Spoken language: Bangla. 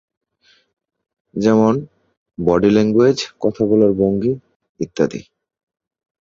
যেমনঃ বডি ল্যাংগুয়েজ, কথা বলার ভঙ্গি ইত্যাদি।